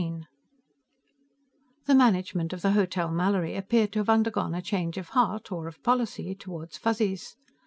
XIII The management of the Hotel Mallory appeared to have undergone a change of heart, or of policy, toward Fuzzies.